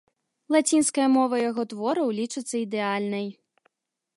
Лацінская мова яго твораў лічыцца ідэальнай.